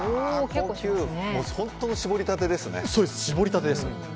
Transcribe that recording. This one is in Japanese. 本当の絞りたてですね。